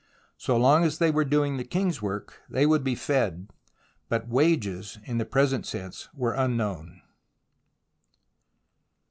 So long as they were doing the king's work they would be fed, but wages in the present sense were unknown.